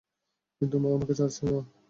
কিন্তু, মা আমাকে ছাড়ছেই না!